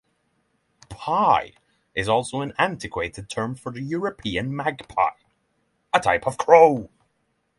"Pie" is also an antiquated term for the European magpie, a type of crow.